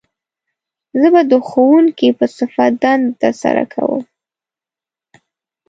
زه به د ښوونکي په صفت دنده تر سره کووم